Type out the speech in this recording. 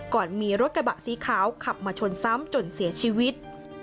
ก่อนมีรถกระบะสีขาวขับมาชนซ้ำจนเสียชีวิต